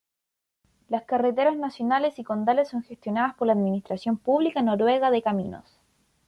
Las carreteras nacionales y condales son gestionadas por la Administración Pública Noruega de Caminos.